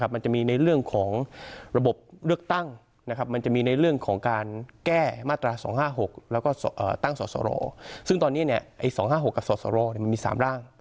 มันจะมีในเรื่องของระบบเลือกตั้งมันจะมีในเรื่องของการแก้มาตรา๒๕๖แล้วก็ตั้งสอสรซึ่งตอนนี้๒๕๖กับสสรมันมี๓ร่าง